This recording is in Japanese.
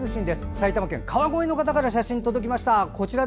埼玉県川越の方から写真が届きました。